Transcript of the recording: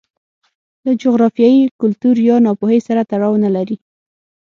له جغرافیې، کلتور یا ناپوهۍ سره تړاو نه لري.